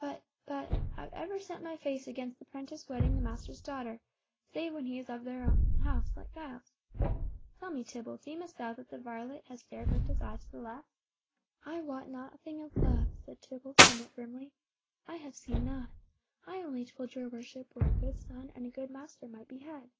But—but—I've ever set my face against the prentice wedding the master's daughter, save when he is of her own house, like Giles. Tell me, Tibble, deemst thou that the varlet hath dared to lift his eyes to the lass?" "I wot nothing of love!" said Tibble, somewhat grimly. "I have seen nought. I only told your worship where a good son and a good master might be had.